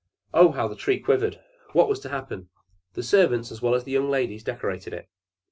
Oh! how the Tree quivered! What was to happen? The servants, as well as the young ladies, decorated it.